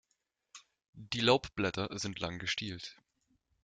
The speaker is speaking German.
Die Laubblätter sind lang gestielt.